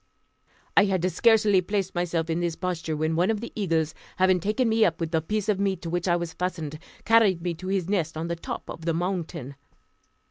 I had scarcely placed myself in this posture when one of the eagles, having taken me up with the piece of meat to which I was fastened, carried me to his nest on the top of the mountain.